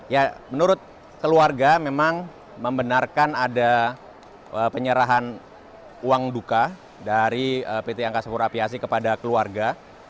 ya menurut keluarga memang membenarkan ada penyerahan uang duka dari pt angkasa pura aviasi kepada keluarga